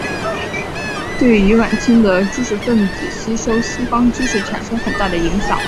对于晚清的知识分子吸收西方知识产生很大的影响。